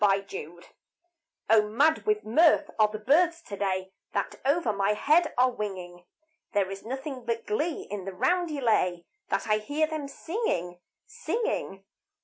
NO COMFORT O mad with mirth are the birds to day That over my head are winging. There is nothing but glee in the roundelay That I hear them singing, singing.